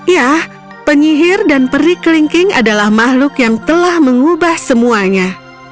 ya penyihir dan perik kelingking adalah makhluk yang telah mengubah semuanya